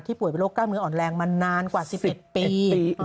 ที่ป่วยโรคกล้าเมืองอ่อนแรงมานานกว่า๑๑ปี